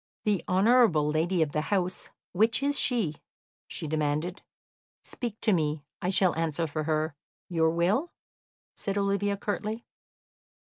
"The honourable lady of the house, which is she?" she demanded. "Speak to me; I shall answer for her. Your will?" said Olivia curtly.